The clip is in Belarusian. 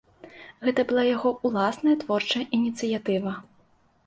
Гэта была яго ўласная творчая ініцыятыва.